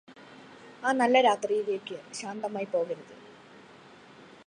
ആ നല്ല രാത്രിയിലേക്ക് ശാന്തമായി പോകരുത്